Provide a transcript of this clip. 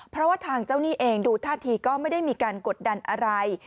เพราะว่าทางเจ้าหนี้เองดูท่าทีก็ไม่ได้มีการกดดันอะไร